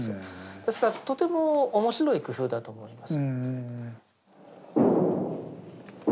ですからとても面白い工夫だと思います。